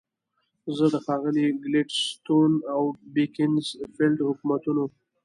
زه د ښاغلي ګلیډستون او بیکنزفیلډ حکومتونو.